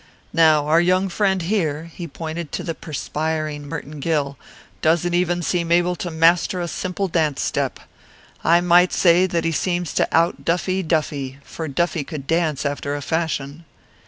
Now our young friend here" he pointed to the perspiring Merton Gill "doesn't even seem able to master a simple dance step. I might say that he seems to out Duffy Duffy for Duffy could dance after a fashion."